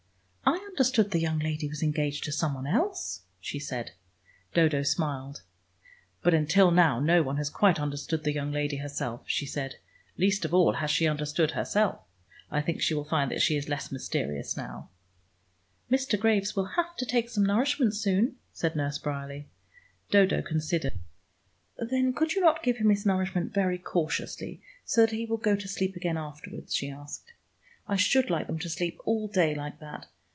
"I understood the young lady was engaged to some one else," she said. Dodo smiled. "But until now no one has quite understood the young lady herself," she said. "Least of all, has she understood herself. I think she will find that she is less mysterious now." "Mr. Graves will have to take some nourishment soon," said Nurse Bryerley. Dodo considered. "Then could you not give him his nourishment very cautiously, so that he will go to sleep again afterwards?" she asked. "I should like them to sleep all day like that.